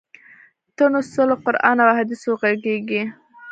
ته نو څه له قران او احادیثو ږغیږې؟!